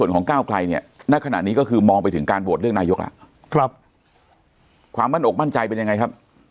ก็ต้องถือว่าเรา